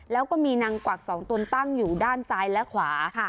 แล้วก็มีนางกวัก๒ตนตั้งอยู่ด้านซ้ายและขวา